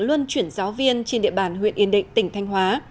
luân chuyển giáo viên trên địa bàn huyện yên định tỉnh thanh hóa